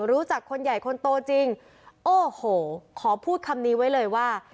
รู้จักคนใหญ่คนโตจริงโอ้โหขอพูดคำนี้ไว้เลยว่า